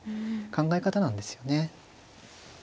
考え方なんですよね。